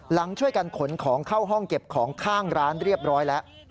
หลังช่วยกันขนของเข้าห้องเก็บของข้างร้านเรียบร้อยแล้ว